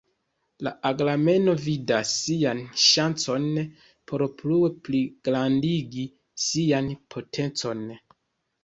Agamemno vidas sian ŝancon por plue pligrandigi sian potencon.